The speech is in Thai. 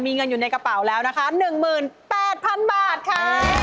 มีเงินอยู่ในกระเป๋าแล้วนะคะ๑๘๐๐๐บาทค่ะ